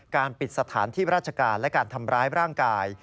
ปิดสถานที่ราชการและการทำร้ายร่างกาย